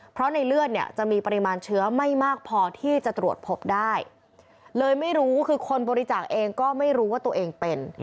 เพราะในเลือดเนี่ยจะมีปริมาณเชื้อไม่มากพอที่จะตรวจพบได้เลยไม่รู้คือคนบริจาคเองก็ไม่รู้ว่าตัวเองเป็น